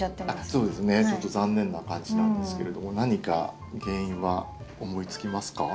そうですねちょっと残念な感じなんですけれども何か原因は思いつきますか？